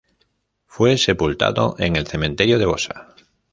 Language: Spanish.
Fue sepultado en el cementerio de Bosa.